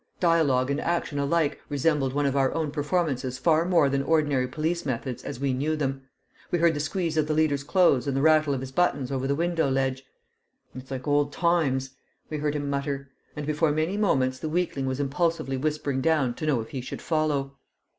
Dialogue and action alike resembled one of our own performances far more than ordinary police methods as we knew them. We heard the squeeze of the leader's clothes and the rattle of his buttons over the window ledge. "It's like old times," we heard him mutter; and before many moments the weakling was impulsively whispering down to know if he should follow.